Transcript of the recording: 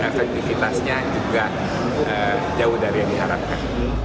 dan efektifitasnya juga jauh dari yang diharapkan